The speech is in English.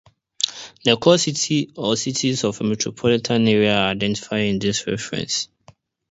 The core city or cities of a metropolitan area are identified in this reference.